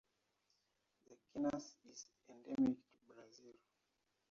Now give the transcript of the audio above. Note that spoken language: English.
The genus is endemic to Brazil.